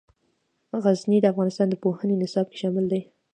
غزني د افغانستان د پوهنې نصاب کې شامل دي.